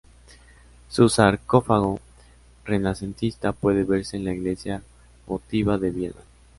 Su sarcófago renacentista puede verse en la iglesia Votiva de Viena.